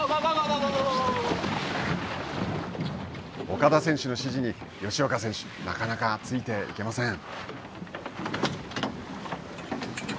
岡田選手の指示に吉岡選手、なかなかついていけません。